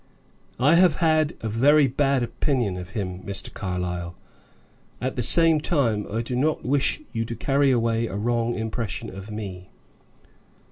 "I have had a very bad opinion of him, Mr. Carlyle; at the same time I do not wish you to carry away a wrong impression of me.